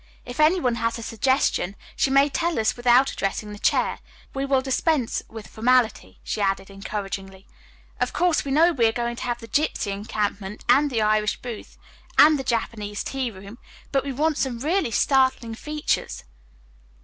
"If any one has a suggestion, she may tell us without addressing the chair. We will dispense with formality," she added encouragingly. "Of course, we know we are going to have the gypsy encampment and the Irish booth and the Japanese tea room, but we want some really startling features."